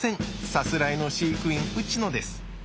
さすらいの飼育員ウチノです。